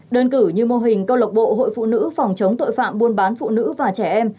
đơn cử như mô hình câu lạc bộ hội phụ nữ phòng chống tội phạm buôn bán phụ nữ và trẻ em